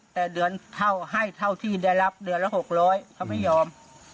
แต่เดือนเท่าให้เท่าที่ได้รับเดือนละ๖๐๐เขาไม่ยอม